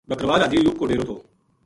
بکروال حاجی ایوب کو ڈیرو تھو۔